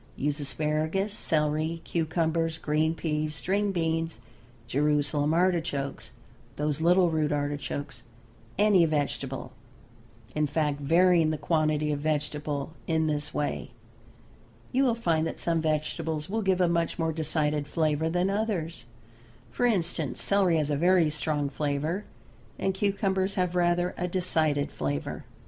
Use asparagus, celery, cucumbers, green peas, string beans, Jerusalem artichokes, those little root artichokes, any vegetable, in fact, varying the quantity of vegetable in this way. You will find that some vegetables will give a much more decided flavor than others. For instance, celery has a very strong flavor, and cucumbers have rather a decided flavor.